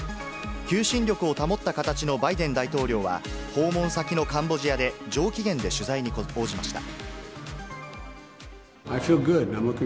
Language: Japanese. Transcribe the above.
求心力を保った形のバイデン大統領は、訪問先のカンボジアで上機嫌で取材に応じました。